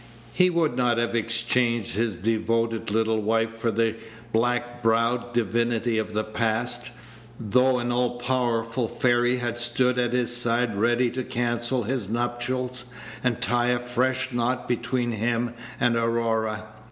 He would not have exchanged his devoted little wife for the black browed divinity of the past, though an all powerful fairy had stood at his side ready to cancel his nuptials, and tie a fresh knot between him and Aurora.